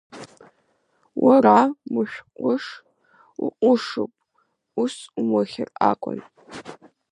Уара мышә-ҟәыш уҟәышуп, ус умыхьыр акәын.